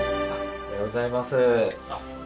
おはようございます。